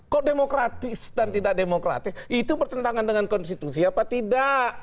kok demokratis dan tidak demokratis itu bertentangan dengan konstitusi apa tidak